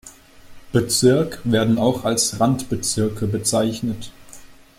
Bezirk werden auch als "Randbezirke" bezeichnet.